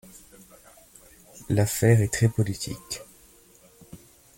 L'affaire est très politique.